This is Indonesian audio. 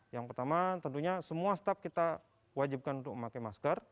yang pertama tentunya semua staff kita wajibkan untuk memakai masker